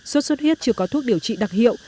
sốt xuất huyết chưa có thuốc điều trị đặc hiệu